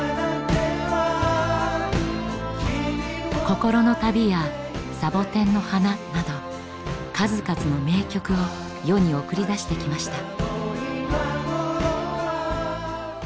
「心の旅」や「サボテンの花」など数々の名曲を世に送り出してきました。